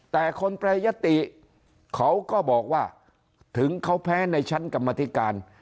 แต่คนแปรยติเขาก็บอกว่าถึงเขาแพ้ในชั้นกรรมธิการ